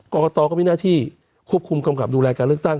กรกตก็มีหน้าที่ควบคุมกำกับดูแลการเลือกตั้ง